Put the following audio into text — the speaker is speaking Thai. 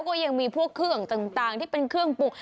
ก็ยังมีพวกเครื่องต่างที่เป็นเครื่องปลูก